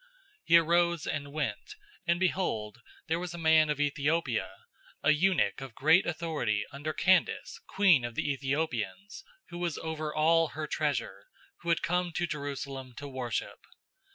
008:027 He arose and went; and behold, there was a man of Ethiopia, a eunuch of great authority under Candace, queen of the Ethiopians, who was over all her treasure, who had come to Jerusalem to worship.